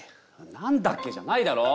「何だっけ？」じゃないだろう。